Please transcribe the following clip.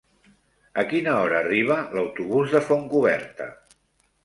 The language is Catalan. A quina hora arriba l'autobús de Fontcoberta?